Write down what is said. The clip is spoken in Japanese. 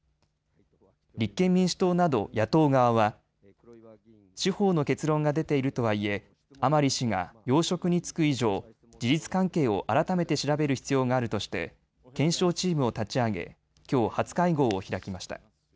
立憲民主党など野党側は司法の結論が出ているとはいえ甘利氏が要職に就く以上事実関係を改めて調べる必要があるとして検証チームを立ち上げ、きょう初会合を開きました。